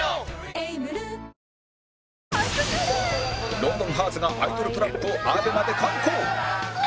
『ロンドンハーツ』がアイドルトラップを ＡＢＥＭＡ で敢行！